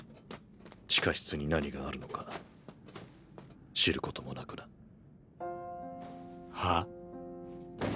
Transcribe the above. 地下室に何があるのか知ることもなくな。は？